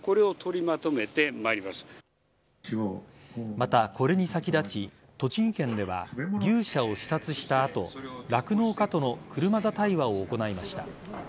また、これに先立ち栃木県では牛舎を視察した後酪農家との車座対話を行いました。